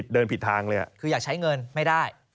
เดินผิดทางเลยคืออยากใช้เงินไม่ได้